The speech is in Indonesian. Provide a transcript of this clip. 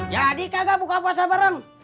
jadi kagak buka puasa bareng